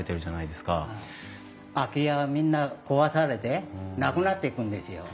空き家がみんな壊されてなくなっていくんですよ。